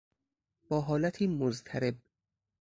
با حالتی مضطرب